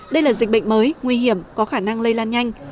đây là dịch bệnh mới nguy hiểm có khả năng lây lan nhanh